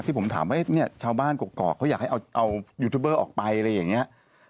ที่ผมถามว่าชาวบ้านกรกเขาอยากให้เอายูทูปเบอร์ออกไป